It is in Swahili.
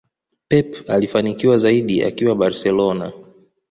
Pep alifanikiwa zaidi akiwa barcelona